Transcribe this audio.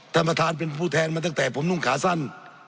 ธรรมธาตุเป็นผู้แทนมาตั้งแต่ผมนุ่งขาสั้น